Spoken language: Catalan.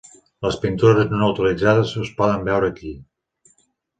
Les pintures no utilitzades es poden veure aquí.